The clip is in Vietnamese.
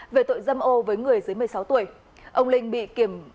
về tội dâm ô với người dưới một mươi sáu tuổi